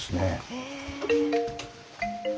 へえ。